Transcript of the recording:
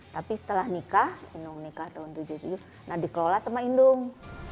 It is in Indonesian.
tapi setelah nikah indung nikah tahun seribu sembilan ratus tujuh puluh tujuh nah dikelola sama indung